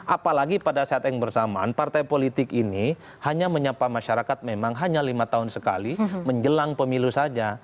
apalagi pada saat yang bersamaan partai politik ini hanya menyapa masyarakat memang hanya lima tahun sekali menjelang pemilu saja